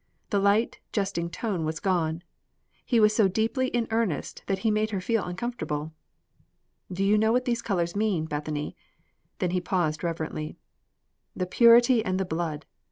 The light, jesting tone was gone. He was so deeply in earnest that it made her feel uncomfortable. "Do you know what the colors mean, Bethany?" Then he paused reverently. "The purity and the blood!